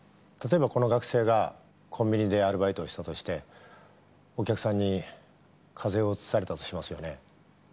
例えばこの学生がコンビニでアルバイトをしたとしてお客さんに風邪をうつされたとしますよね。